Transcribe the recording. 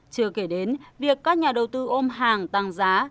chưa kể đến việc các nhà đầu tư ôm hàng tăng giá